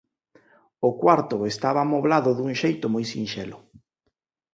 O cuarto estaba amoblado dun xeito moi sinxelo.